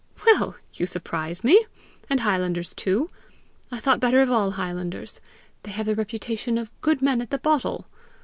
"Well, you surprise me! And highlanders too! I thought better of all highlanders; they have the reputation of good men at the bottle!